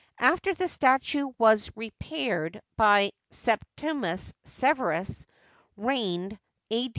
After the statue was repaired y Septimus Severus (reigned A.